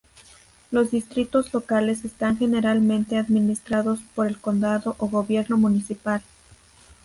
Los distritos locales están generalmente administrados por el condado o gobierno municipal.